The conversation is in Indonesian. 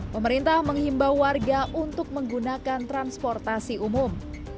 pemerintah menghimbau warga untuk menggunakan transportasi umum